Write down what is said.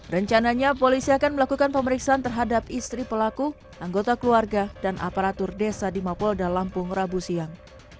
rencananya polisi akan melakukan pemeriksaan terhadap istri pelaku anggota keluarga dan aparatur desa di mapolda lampung rabu siang